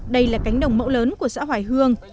đây là cánh đồng mẫu lớn của xã hoài hương